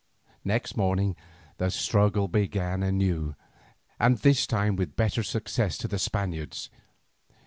Next morning the struggle began anew; and this time with better success to the Spaniards.